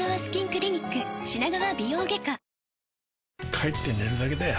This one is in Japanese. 帰って寝るだけだよ